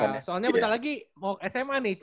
soalnya bentar lagi mau sma nih